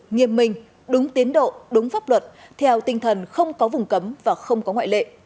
nghiêm minh đúng tiến độ đúng pháp luật theo tinh thần không có vùng cấm và không có ngoại lệ